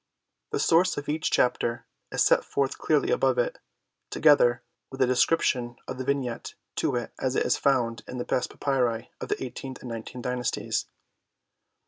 The source of each Chap ter is set forth clearly above it, together with a de scription of the Vignette to it as it is found in the best papyri of the eighteenth and nineteenth dynas ties.